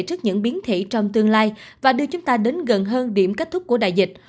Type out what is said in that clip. trước những biến thể trong tương lai và đưa chúng ta đến gần hơn điểm kết thúc của đại dịch